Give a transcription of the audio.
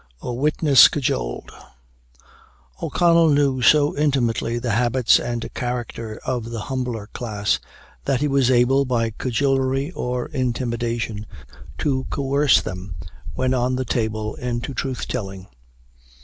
A WITNESS CAJOLED. O'Connell knew so intimately the habits and character of the humbler class, that he was able, by cajolery or intimidation, to coerce them, when on the table, into truth telling.